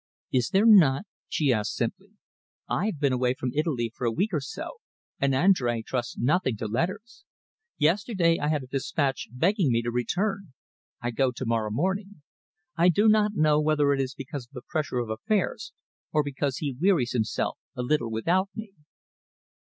"Is there not?" she asked simply. "I have been away from Italy for a week or so, and Andrea trusts nothing to letters. Yesterday I had a dispatch begging me to return. I go to morrow morning. I do not know whether it is because of the pressure of affairs, or because he wearies himself a little without me."